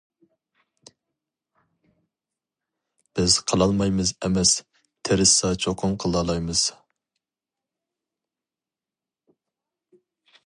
بىز قىلالمايمىز ئەمەس تىرىشسا چوقۇم قىلالايمىز.